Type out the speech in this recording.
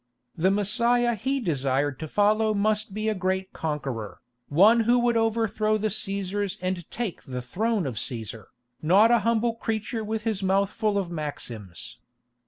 The Messiah he desired to follow must be a great conqueror, one who would overthrow the Cæsars and take the throne of Cæsar, not a humble creature with his mouth full of maxims.